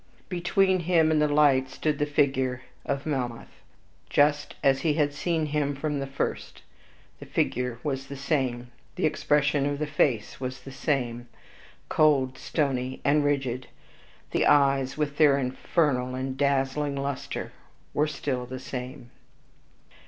Between him and the light stood the figure of Melmoth, just as he had seen him from the first; the figure was the same; the expression of the face was the same, cold, stony, and rigid; the eyes, with their infernal and dazzling luster, were still the same.